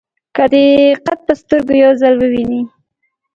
که دې قد په سترګو یو ځل وویني.